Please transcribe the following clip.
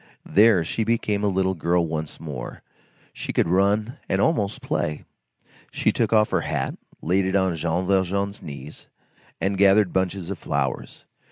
There, she became a little girl once more, she could run and almost play; she took off her hat, laid it on Jean Valjean's knees, and gathered bunches of flowers.